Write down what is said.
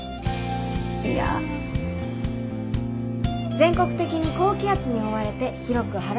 全国的に高気圧に覆われて広く晴れるでしょう。